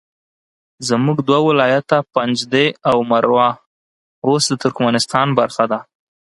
زموږ دوه ولایته پنجده او مروه اوس د ترکمنستان برخه ده